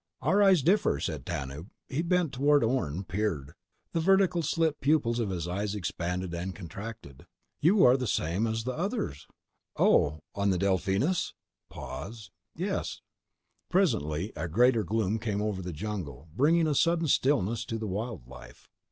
"Our eyes differ," said Tanub. He bent toward Orne, peered. The vertical slit pupils of his eyes expanded, contracted. "You are the same as the ... others." "Oh, on the Delphinus?" Pause. "Yes." Presently, a greater gloom came over the jungle, bringing a sudden stillness to the wild life.